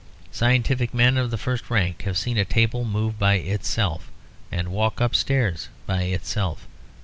Scientific men of the first rank have seen a table move by itself, and walk upstairs by itself.